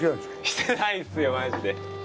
してないですよマジで。